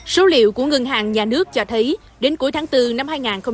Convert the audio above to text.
số liệu của ngân hàng nhà nước cho thấy đến cuối tháng bốn năm hai nghìn hai mươi